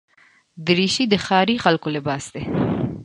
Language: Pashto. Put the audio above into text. دریشي د ښاري خلکو لباس دی.